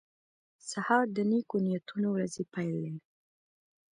سهار د نیکو نیتونو ورځې پیل دی.